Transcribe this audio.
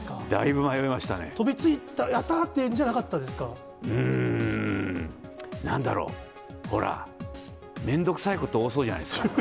飛びついた、やったーっていうーん、なんだろう、ほら、面倒くさいこと多そうじゃないですか。